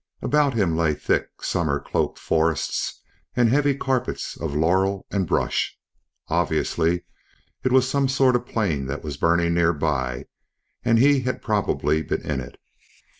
About him lay thick, summer cloaked forests and heavy carpets of laurel and brush. Obviously, it was some sort of plane that was burning nearby and he had probably been in it.